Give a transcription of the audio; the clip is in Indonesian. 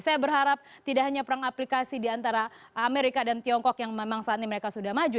saya berharap tidak hanya perang aplikasi di antara amerika dan tiongkok yang memang saat ini mereka sudah maju